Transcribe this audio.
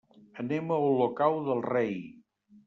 Anem a Olocau del Rei.